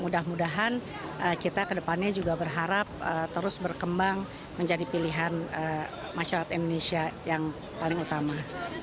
dan kita ke depannya juga berharap terus berkembang menjadi pilihan masyarakat indonesia yang paling utama